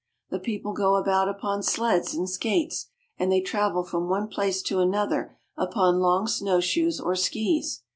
The people go about upon sleds and skates, and they travel from one place to another upon long snowshoes or skis.